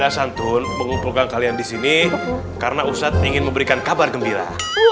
saya mulia dasantun mengumpulkan kalian disini karena ustadz ingin memberikan kabar gembira